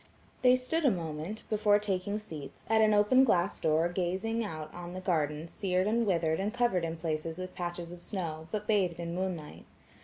They stood a moment, before taking seats, at an open glass door gazing out on the gardens sered and withered and covered in places with patches of snow, but bathed in moonlight.